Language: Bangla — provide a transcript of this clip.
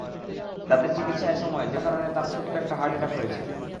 দাঁতের চিকিৎসার সময় যেকোনো কারণে তাঁর ছোট্ট একটা হার্ট অ্যাটাক হয়েছে।